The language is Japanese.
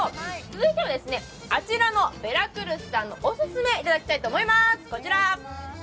続いてはあちらのベラクルスさんのオススメいただきたいと思います。